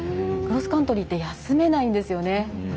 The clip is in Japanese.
クロスカントリーって休めないんですよね。